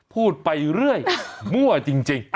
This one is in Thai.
พูดไปเรื่อยมั่วจริง